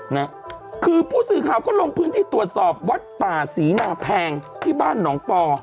นะคือผู้สื่อข่าวก็ลงพื้นที่ตรวจสอบวัดป่าศรีนาแพงที่บ้านหนองปอ